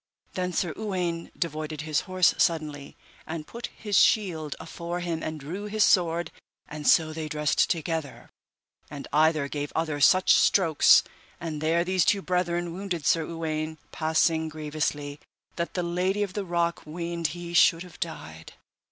Then Sir Uwaine devoided his horse suddenly, and put his shield afore him and drew his sword, and so they dressed together, and either gave other such strokes, and there these two brethren wounded Sir Uwaine passing grievously that the Lady of the Rock weened he should have died.